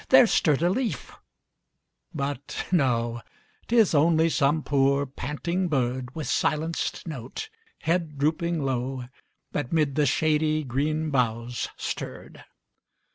there stirred a leaf, but no, Tis only some poor, panting bird, With silenced note, head drooping low, That 'mid the shady green boughs stirred.